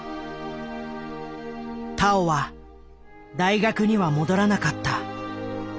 田尾は大学には戻らなかった。